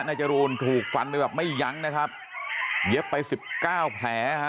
จรูนถูกฟันไปแบบไม่ยั้งนะครับเย็บไปสิบเก้าแผลฮะ